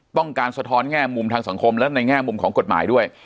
ต้องการสะท้อนง่ามุมทางสังคมและในง่ามุมของกฎหมายด้วย